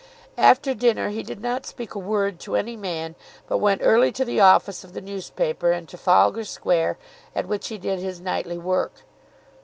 After dinner he did not speak a word to any man, but went early to the office of the newspaper in Trafalgar Square at which he did his nightly work.